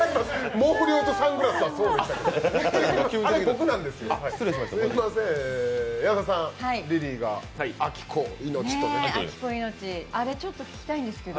毛量とサングラスはそうなんですけど。